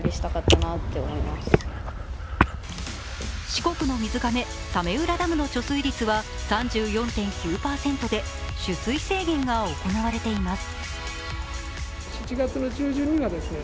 四国の水がめ早明浦ダムの貯水率は３４．９％で取水制限が行われています。